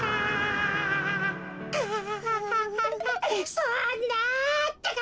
そんなってか！